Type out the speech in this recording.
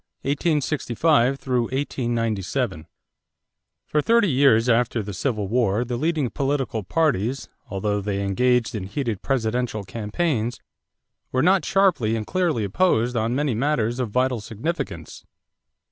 CHAPTER XIX DOMESTIC ISSUES BEFORE THE COUNTRY (1865 1897) For thirty years after the Civil War the leading political parties, although they engaged in heated presidential campaigns, were not sharply and clearly opposed on many matters of vital significance.